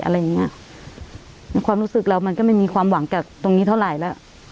อะไรอย่างเงี้ยในความรู้สึกเรามันก็ไม่มีความหวังจากตรงนี้เท่าไหร่แล้ว